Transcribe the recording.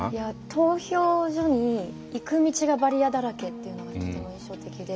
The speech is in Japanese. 投票所に行く道がバリアだらけっていうのがとても印象的で。